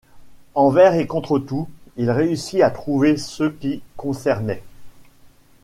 Envers et contre tout, il réussit à trouver ceux qui concernaient.